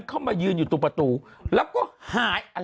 เข้ามายืนอยู่ตรงประตูแล้วก็หาย